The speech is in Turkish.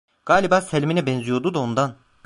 Galiba Selmin'e benziyordu da ondan...